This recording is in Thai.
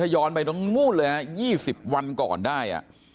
ถ้าย้อนไปตรงไหนเลยครับ๒๐วันก่อนได้